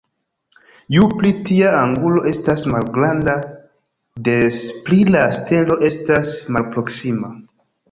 Ju pli tia angulo estas malgranda, des pli la stelo estas malproksima.